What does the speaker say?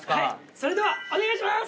それではお願いします！